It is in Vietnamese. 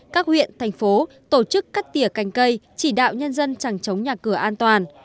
các huyện thành phố tổ chức cắt tỉa cành cây chỉ đạo nhân dân chẳng chống nhà cửa an toàn